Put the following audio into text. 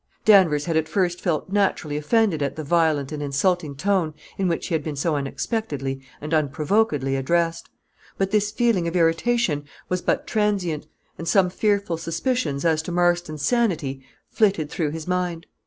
Danvers had at first felt naturally offended at the violent and insulting tone in which he had been so unexpectedly and unprovokedly addressed; but this feeling of irritation was but transient, and some fearful suspicions as to Marston's sanity flitted through his mind.